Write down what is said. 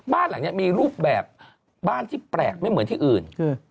บ้านหลังนี้มีรูปแบบบ้านที่แปลกไม่เหมือนที่อื่น